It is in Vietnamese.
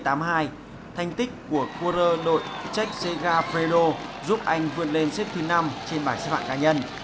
thành tích của quân rơi đội jack sega fredo giúp anh vượt lên xếp thứ năm trên bảng xếp bảng cá nhân